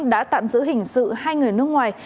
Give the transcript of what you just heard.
đã tạm giữ hình sự hai người nước ngoài